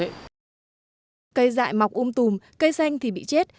hệ dạy mọc um tùm cây xanh thì bị chết